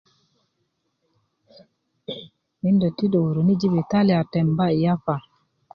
mindö ti do woroni i jibitalia temba i yapa